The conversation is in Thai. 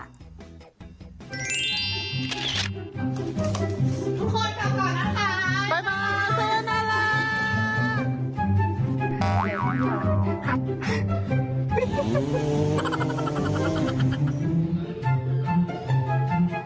ทุกคนขอบคุณนะคะบ๊ายบายเจอหน้าล่ะ